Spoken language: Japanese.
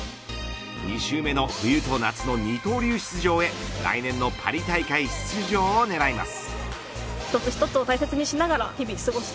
２周目の冬と夏の二刀流出場へ来年のパリ大会出場を狙います。